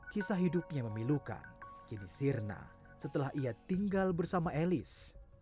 kisah hidupnya memilukan kini sirna setelah ia tinggal bersama elis